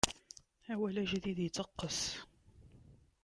Awal ajdid iteqqes.